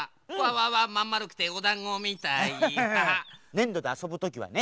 ねんどであそぶときはね